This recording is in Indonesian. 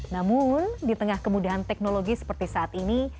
namun di tengah kemudahan teknologi seperti saat ini